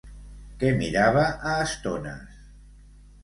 Què mirava a estones?